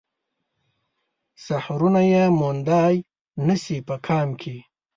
سحرونه يې موندای نه شي په قام کې